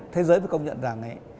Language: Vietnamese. thế giới phải công nhận rằng ấy